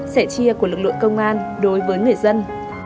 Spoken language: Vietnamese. sẻ chia của lực lượng công an đối với người dân